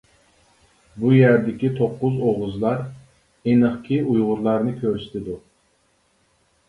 بۇ يەردىكى توققۇز ئوغۇزلار ئېنىقكى ئۇيغۇرلارنى كۆرسىتىدۇ.